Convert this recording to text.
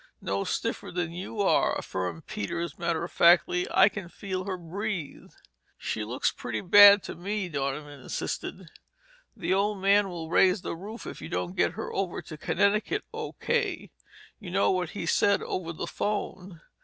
"No stiffer than you are," affirmed Peters matter of factly. "I can feel her breathe." "She looks pretty bad to me," Donovan insisted. "The old man will raise the roof if you don't get her over to Connecticut O.K. You know what he said over the phone!"